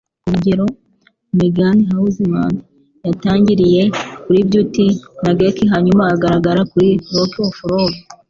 Kurugero, Megan Hauserman yatangiriye kuri Beauty na Geek hanyuma agaragara kuri Rock of Love.